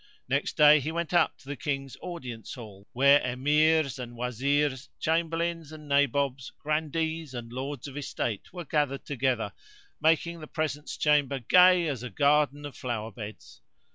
Next day he went up to the King's audience hall, where Emirs and Wazirs, Chamberlains and Nabobs, Grandees and Lords of Estate were gathered together, making the presence chamber gay as a garden of flower beds.